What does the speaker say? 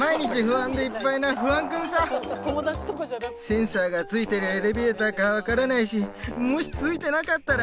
僕はセンサーがついてるエレベーターかわからないしもしついてなかったら？